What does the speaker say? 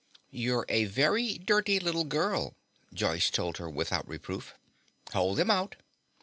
"You're a very dirty little girl," Joyce told her without reproof. "Hold them out."